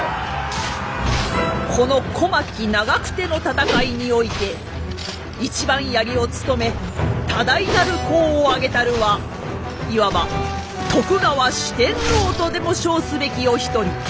この小牧長久手の戦いにおいて一番槍を務め多大なる功をあげたるはいわば徳川四天王とでも称すべきお一人原康政でございます。